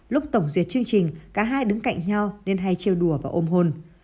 lúc tổng duyệt chương trình cả hai đứng cạnh nhau nên hay treo đùa và ôm hôn